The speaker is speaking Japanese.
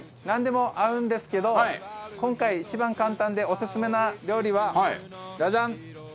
なんでも合うんですけど今回一番簡単でオススメな料理はジャジャン！